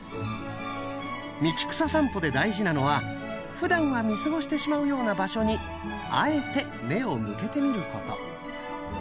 道草さんぽで大事なのはふだんは見過ごしてしまうような場所にあえて目を向けてみること。